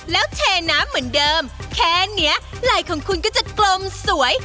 แล้วเทน้ำเหมือนเดิมแค่นี้ไหล่ของคุณก็จะกลมสวย